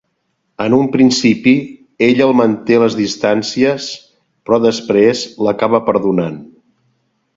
En un principi, ella el manté les distàncies però després l'acaba perdonant.